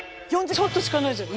ちょっとしかないじゃん！